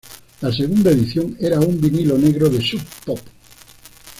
La segunda edición era un vinilo negro de Sub Pop.